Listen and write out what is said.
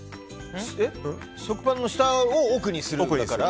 食パンの下を奥にするから。